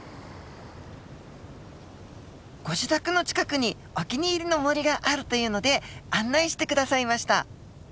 ご自宅の近くにお気に入りの森があるというので案内して下さいました。